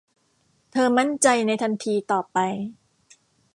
เธอมั่นใจในทันทีต่อไป